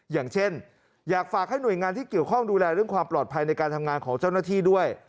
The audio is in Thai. อย่างเช่นอยากฝากให้หน่วยงานที่เกี่ยวข้องดูแลเรื่องความปลอดภัยในการทำงานของเจ้าหน้าที่ด้วย